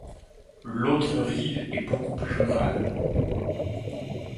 L'autre rive est beaucoup plus rurale.